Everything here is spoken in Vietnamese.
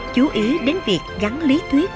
chú ý đến việc gắn lý thuyết